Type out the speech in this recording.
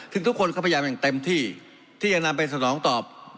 ซึ่งทุกคนก็พยายามอย่างเต็มที่ที่จะนำไปสนองตอบ